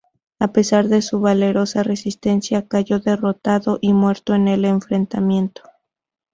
A pesar de su valerosa resistencia cayó derrotado y muerto en el enfrentamiento.